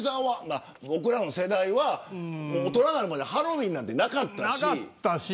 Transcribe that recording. まあ僕らの世代は大人になるまでハロウィーンなんてなかったし。